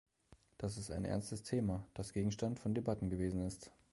Dies ist ein ernstes Thema, das Gegenstand von Debatten gewesen ist.